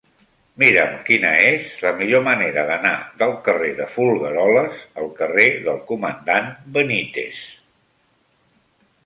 Mira'm quina és la millor manera d'anar del carrer de Folgueroles al carrer del Comandant Benítez.